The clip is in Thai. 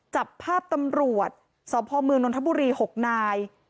จับภาพตำรวจสพเมืองนทบุรี๖นาย